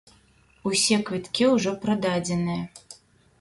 Усе квіткі ўжо прададзеныя.